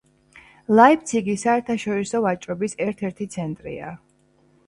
ლაიფციგი საერთაშორისო ვაჭრობის ერთ-ერთი ცენტრია.